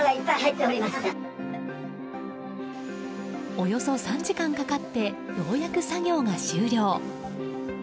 およそ３時間かかってようやく作業が終了。